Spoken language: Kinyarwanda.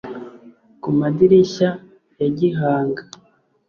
ku madirishya ya gihanga